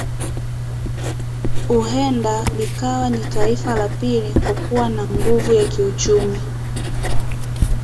Uhenda likawa ni taifa la pili kwa kuwa na nguvu ya kiuchumu